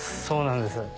そうなんです。